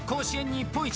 日本一！